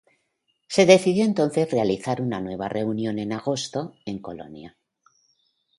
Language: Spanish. Se decidió entonces realizar una nueva reunión en agosto, en Colonia.